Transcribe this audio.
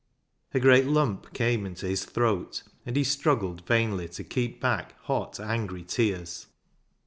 A great lump came into his throat, and he struggled vainly to keep back hot, angry tears.